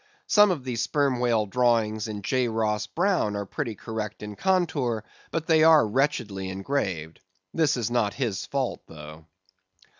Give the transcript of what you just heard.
Some of the Sperm Whale drawings in J. Ross Browne are pretty correct in contour; but they are wretchedly engraved. That is not his fault though.